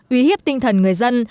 uy hiếp tinh thần người dân